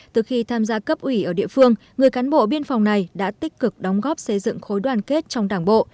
từ khi tham gia cấp ủy ở địa phương người cán bộ biên phòng này đã tích cực đóng góp xây dựng khối đoàn kết trong đảng bộ